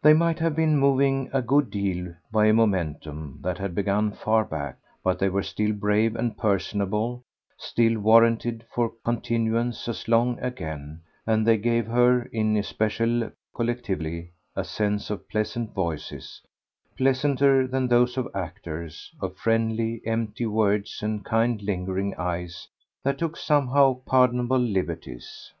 They might have been moving a good deal by a momentum that had begun far back, but they were still brave and personable, still warranted for continuance as long again, and they gave her, in especial collectively, a sense of pleasant voices, pleasanter than those of actors, of friendly empty words and kind lingering eyes that took somehow pardonable liberties.